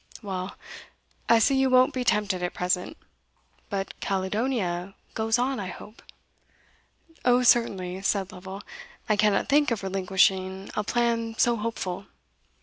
Well, I see you won't be tempted at present but Caledonia goes on I hope?" "O certainly," said Lovel; "I cannot think of relinquishing a plan so hopeful."